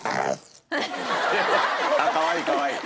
かわいいかわいい。